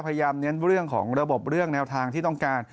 เน้นเรื่องของระบบเรื่องแนวทางที่ต้องการ